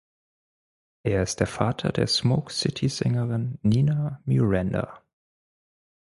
Er ist der Vater der Smoke-City-Sängerin Nina Miranda.